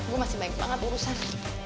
gue masih banyak banget urusan